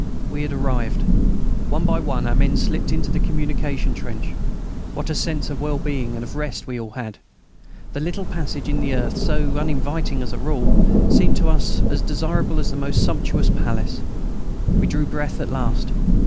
We had arrived! One by one our men slipped into the communication trench. What a sense of well being and of rest we all had! The little passage in the earth, so uninviting as a rule, seemed to us as desirable as the most sumptuous palace. We drew breath at last.